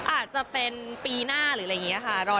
อาจจะเป็นปีหน้าหรือหลายง่ายอย่างนี้ค่ะ